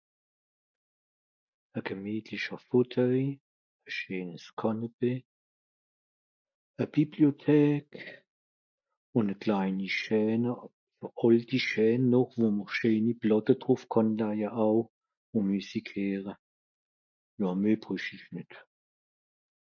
E gemietlicher Fauteuil, e scheenes Cànepé, e Bibliothek, un e kleini chaine, e àlti chaine noch, wo m'r scheeni Plàtte druf kànn laje au un Müsik heere. Nà meh brüch ìch nìt.